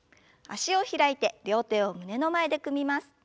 脚を開いて両手を胸の前で組みます。